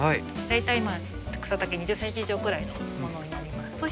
大体草丈２０ｃｍ以上くらいのものになります。